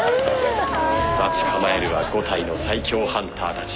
待ち構えるは５体の最強ハンターたち。